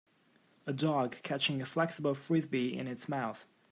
A dog catching a flexable Frisbee in its mouth.